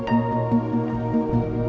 saya sudah selesai mencari